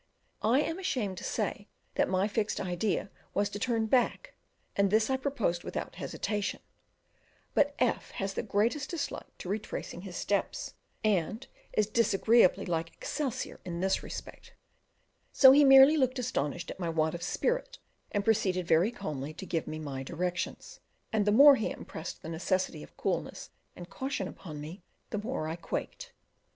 I am ashamed to say that my fixed idea was to turn back, and this I proposed without hesitation; but F has the greatest dislike to retracing his steps, and is disagreeably like Excelsior in this respect; so he merely looked astonished at my want of spirit, and proceeded very calmly to give me my directions, and the more he impressed the necessity of coolness and caution upon me, the more I quaked.